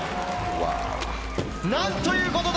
なんということだ！